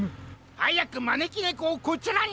はやくまねきねこをこちらに！